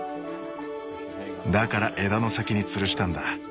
だから枝の先につるしたんだ。